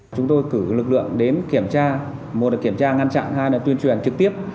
chúng tôi cử lực lượng đến kiểm tra một là kiểm tra ngăn chặn hai là tuyên truyền trực tiếp